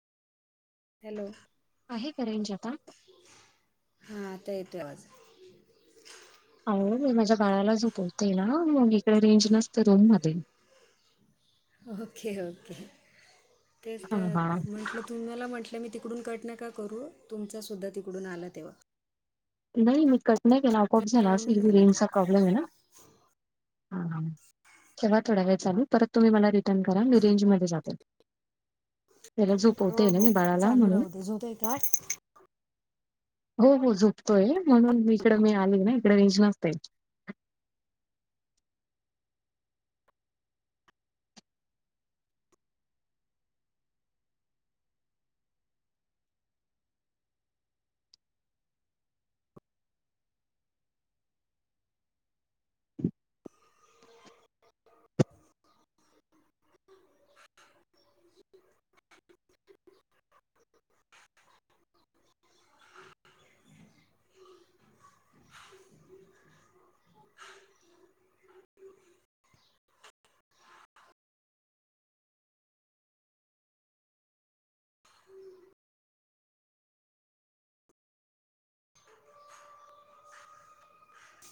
Hello आहे का range आता? हा आता येतोय आवाज. माझ्या बाळाला झोपवते ना. मग इकडे रेंज नसते रूम मध्ये. ओके-ओके तेच हा हा. म्हटलं. तुम्ही मला म्हटलं. तुम्ही तिकडून कट नका करू. तुमचा सुद्धा तिकडून आला तेव्हा. नाही मी कट नाही केला. आपो-आप झाला. असी काउंट झालं ते रेंजचा प्रॉब्लेम आहे ना. हा ठेवा थोडा वेळ चालू. परत तुम्ही मला रिटर्न करा. मी रेंज मध्ये जाते. त्याला हो झोपवते ना हो मी बाळाला चालू म्हणून. राहू दे झोप आहे का हो हो झोप तोय. म्हणून इकड मी आली ना इकडे रेंज नसते.